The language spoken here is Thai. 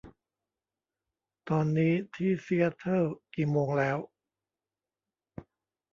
ตอนนี้ที่ซีแอตเทิลกี่โมงแล้ว